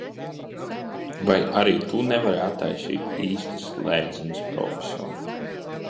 Vai arī tu nevari attaisīt īstas slēdzenes, Profesor?